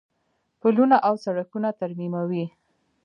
پلونه او سړکونه ترمیموي.